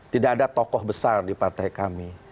tidak ada tokoh besar di partai kami